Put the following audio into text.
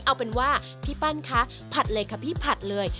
เอาเป็นว่าพี่ปั้นคะผัดเลยค่ะพี่ผัดเลย